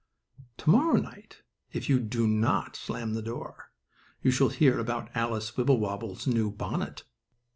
To morrow night, if you do not slam the door, you shall hear about Alice Wibblewobble's new bonnet.